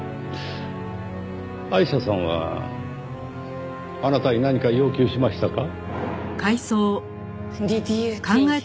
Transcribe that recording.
アイシャさんはあなたに何か要求しましたか？